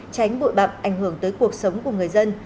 tránh bụi bạm ảnh hưởng tới cuộc sống của người dân